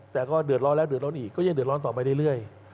แต่ก็เดือดร้อนแล้วเดือดร้อนอีกก็ยังเดือดร้อนต่อไปเรื่อย